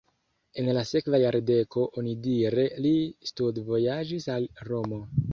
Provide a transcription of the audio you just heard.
En la sekva jardeko onidire li studvojaĝis al Romo.